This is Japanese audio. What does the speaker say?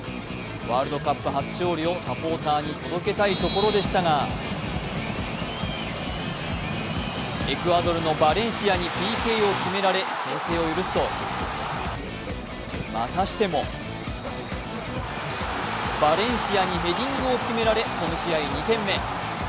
ワールドカップ初勝利をサポーターに届けたいところでしたがエクアドルのバレンシアにＰＫを決められ先制を許すとまたしてもバレンシアにヘディングを決められ、この試合２点目。